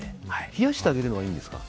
冷やしてあげるのはいいんですか？